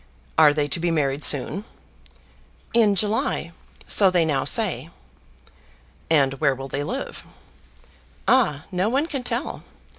Are they to be married soon?" "In July; so they now say." "And where will they live?" "Ah! no one can tell.